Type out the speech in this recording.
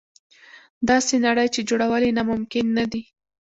داسې نړۍ چې جوړول یې ناممکن نه دي.